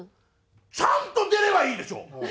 ちゃんと出ればいいでしょ？